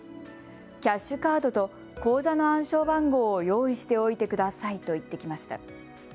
キャッシュカードと口座の暗証番号を用意しておいてくださいと言ってきました。